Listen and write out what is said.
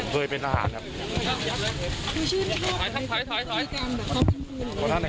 เพื่อเห็นเวลาหน้าที่ทำไมเคยเป็นอาหารค่ะ